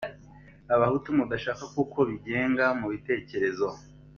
Abahutu mudashaka kuko bigenga mu bitekerezo